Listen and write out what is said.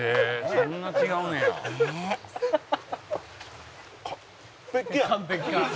そんな違うねや」「完璧か」